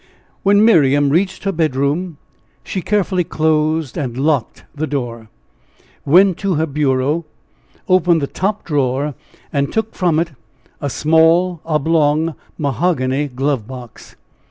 When Miriam reached her bedroom, she carefully closed and locked the door, went to her bureau, opened the top drawer, and took from it a small oblong mahogany glove box.